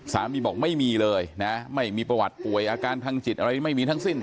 สามีบอกไม่มีเลยนะไม่มีประวัติป่วยอาการทางจิตอะไรไม่มีทั้งสิ้น